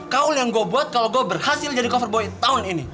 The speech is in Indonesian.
kaul yang gue buat kalau gue berhasil jadi cover boy tahun ini